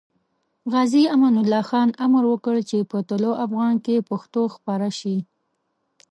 غازي امان الله خان امر وکړ چې په طلوع افغان کې پښتو خپاره شي.